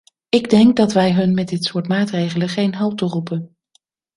Ik denk dat wij hun met dit soort maatregelen geen halt toeroepen.